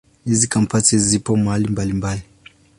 Hizi Kampasi zipo mahali mbalimbali.